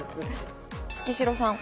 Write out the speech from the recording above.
月城さん。